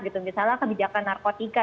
misalnya kebijakan narkotika